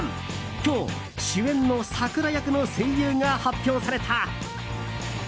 今日、主演のさくら役の声優が発表された。